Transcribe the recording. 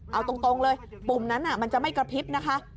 เอาตรงเลยปุ่มนั้นมันจะไม่กระพริบนะคะ